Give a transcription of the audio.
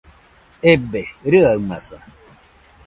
Ebe, rɨamaza